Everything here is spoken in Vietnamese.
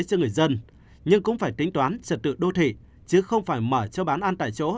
cho người dân nhưng cũng phải tính toán trật tự đô thị chứ không phải mở cho bán ăn tại chỗ